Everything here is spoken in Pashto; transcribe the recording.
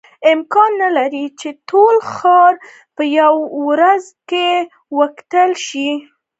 امکان نه لري چې ټول ښار په یوه ورځ کې وکتل شي.